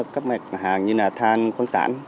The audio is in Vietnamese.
các mặt hàng như là than khoáng sản